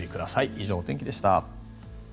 以上、お天気でした。